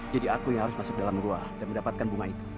jadi aku yang harus masuk ke dalam goa dan mendapatkan bunga itu